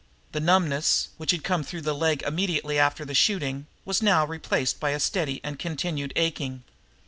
The numbness, which had come through the leg immediately after the shooting, was now replaced by a steady and continued aching.